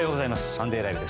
「サンデーＬＩＶＥ！！」